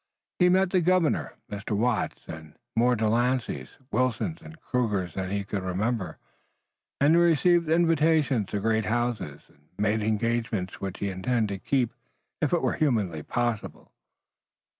He met the governor, Mr. Watts, and more De Lanceys, Wilsons and Crugers than he could remember, and he received invitations to great houses, and made engagements which he intended to keep, if it were humanly possible.